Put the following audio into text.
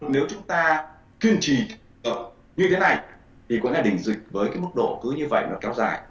nếu chúng ta kiên trì như thế này thì cũng là đỉnh dịch với mức độ cứ như vậy mà kéo dài